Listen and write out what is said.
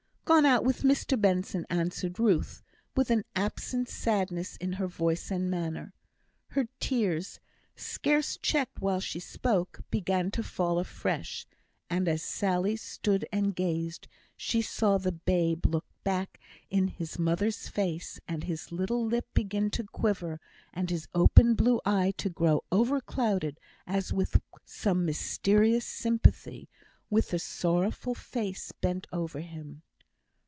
"Gone out with Mr Benson," answered Ruth, with an absent sadness in her voice and manner. Her tears, scarce checked while she spoke, began to fall afresh; and as Sally stood and gazed she saw the babe look back in his mother's face, and his little lip begin to quiver, and his open blue eye to grow over clouded, as with some mysterious sympathy with the sorrowful face bent over him.